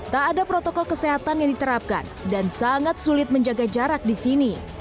tak ada protokol kesehatan yang diterapkan dan sangat sulit menjaga jarak di sini